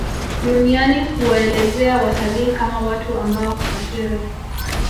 Duniani huwaelezea watalii kama watu ambao husafiri